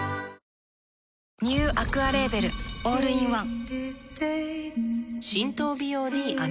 ニューアクアレーベルオールインワン